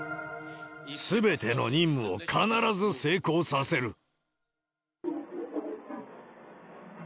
すべての任務を必ず成功させる。